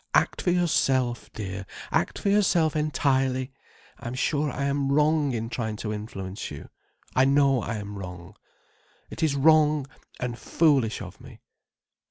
Act for yourself, dear. Act for yourself entirely. I am sure I am wrong in trying to influence you. I know I am wrong. It is wrong and foolish of me.